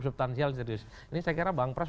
subtansial serius ini saya kira bang pras